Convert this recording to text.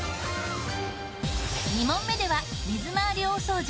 ２問目では水回り大掃除